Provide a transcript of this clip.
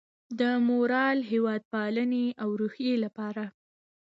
د مورال، هیواد پالنې او روحیې لپاره